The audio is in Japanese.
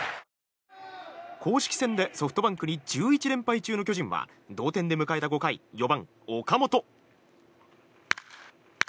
公式戦でソフトバンクに１１連敗中の巨人は同点で迎えた５回４番、岡本。